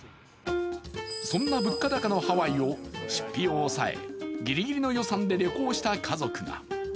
そんな物価高のハワイを出費を抑えギリギリの予算で旅行した家族が。